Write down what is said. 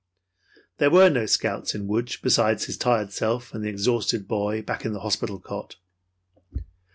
There were no Scouts in Lodz besides his tired self and the exhausted boy back in the hospital cot.